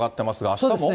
あしたも？